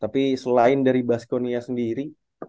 tapi selain dari baskonia sendiri